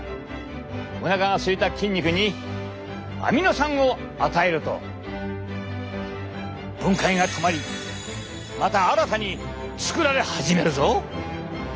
おなかがすいた筋肉にアミノ酸を与えると分解が止まりまた新たに作られ始めるぞ。